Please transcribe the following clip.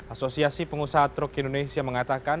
asosiasi pengusaha truk indonesia mengatakan